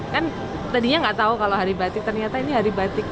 kan tadinya nggak tahu kalau hari batik ternyata ini hari batik